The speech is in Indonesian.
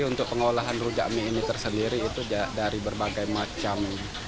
untuk pengolahan rujak mie ini tersendiri itu dari berbagai macam